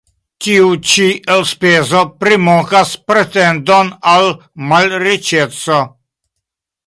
Tiu ĉi elspezo primokas pretendon al malriĉeco.